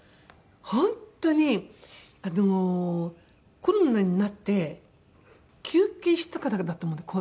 本当にあのコロナになって休憩したからだと思うのどをね。